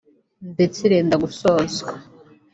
ndetse irenda gusozwa